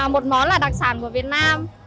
một món là đặc sản của việt nam